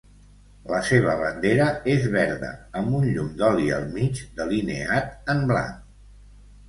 La seva bandera és verda amb un llum d'oli al mig, delineat en blanc.